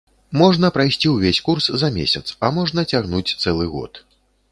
Можна прайсці ўвесь курс за месяц, а можна цягнуць цэлы год.